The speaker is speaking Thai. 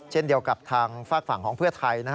เช่นเดียวกับทางฝากฝั่งของเพื่อไทย